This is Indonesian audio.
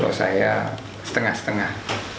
kalau saya setengah setengah